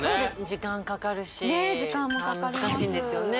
時間かかるし時間もかかります難しいんですよね